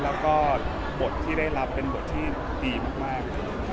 แล้วก็บทที่ได้รับเป็นบทที่ดีมากเลย